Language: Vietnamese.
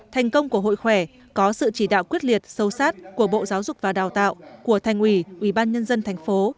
thành công của hội khỏe có sự chỉ đạo quyết liệt sâu sát của bộ giáo dục và đào tạo của thành ủy ubnd tp